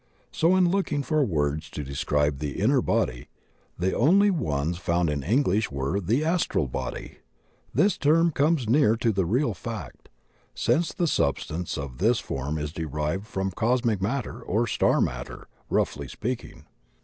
So in looking for words to describe the inner body the only ones found in English were the "astral body." This term comes near to the real fact, sinca the substance of this form is derived from cosmic matter or star matter, roughly speaking.